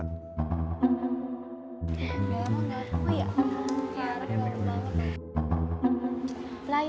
gak mau gak mau ya